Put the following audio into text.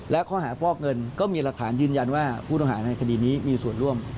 และข้อหาฟอกเงินก็มีหลักฐานยืนยันว่าผู้ต้องหาในคดีนี้มีส่วนร่วม